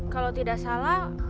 kalau tidak salah